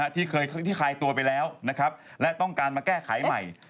ที่เคยที่คลายตัวไปแล้วนะครับและต้องการมาแก้ไขใหม่